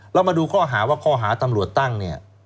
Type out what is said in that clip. เรามาดูข้อหาว่าข้อหาตำรวจตั้งเนี่ย